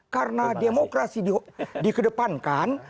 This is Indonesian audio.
karena demokrasi dikedepankan